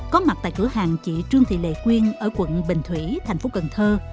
có mặt tại cửa hàng chị trương thị lệ quyên ở quận bình thủy thành phố cần thơ